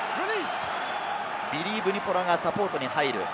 ビリー・ヴニポラがサポートに入る。